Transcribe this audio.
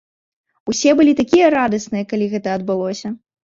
Усе былі такія радасныя, калі гэта адбылося!